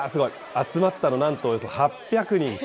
集まったの、なんとおよそ８００人と。